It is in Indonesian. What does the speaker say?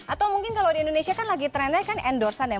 atau mungkin kalau di indonesia kan lagi trendnya kan endorsean ya